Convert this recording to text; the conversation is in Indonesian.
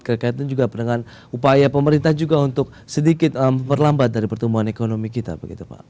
berkaitan juga dengan upaya pemerintah juga untuk sedikit berlambat dari pertumbuhan ekonomi kita begitu pak